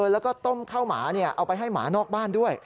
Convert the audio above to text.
แล้วก็ต้มข้าวหมาเอาไปให้หมานอกบ้านด้วย